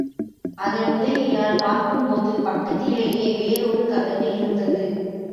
அதன் உதவியால் பார்க்கும்போது பக்கத்திலேயே வேறொரு கதவு இருந்தது.